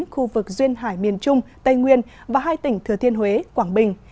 khu vực duyên hải miền trung tây nguyên và hai tỉnh thừa thiên huế quảng bình